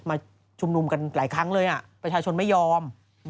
มาชุมนุมกันหลายครั้งเลยประชาชนไม่ยอม